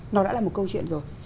nó đã là một câu chuyện rồi